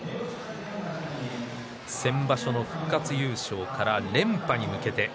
先場所の復活優勝から連覇に向けて。